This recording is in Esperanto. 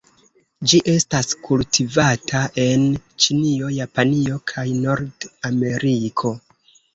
Ĝi estas kultivata en Ĉinio, Japanio kaj Nord-Ameriko.